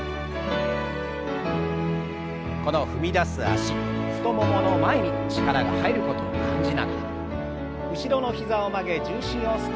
この踏み出す脚太ももの前に力が入ることを感じながら後ろの膝を曲げ重心を少し押し下げましょう。